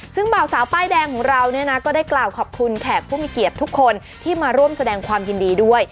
ซึ่งบ่าวสาวป้ายแดงของเราเนี่ยนะก็ได้กล่าวขอบคุณแขกผู้มีเกียรติทุกคนที่มาร่วมแสดงความยินดีด้วย